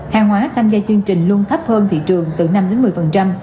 hàng hóa tham gia chương trình luôn thấp hơn thị trường từ năm đến một mươi